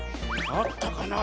あったかな？